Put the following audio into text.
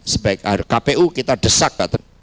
sebaik kpu kita desak